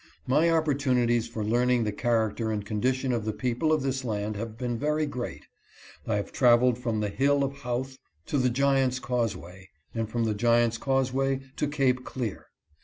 My opportunities for learning the character and condition of the people of this land have been very great. I have traveled from the Hill of Howth to the Giant's Causeway, and from the Giant's Cause way to'Cape Clear.